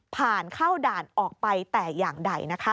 ผ่านเข้าด่านออกไปแต่อย่างใดนะคะ